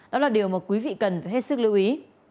đó là điều mà quý vị cần phải hết sức lưu ý